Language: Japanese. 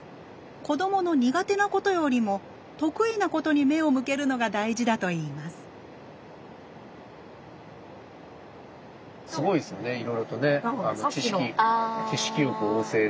子どもの苦手なことよりも得意なことに目を向けるのが大事だといいますそうですかはい。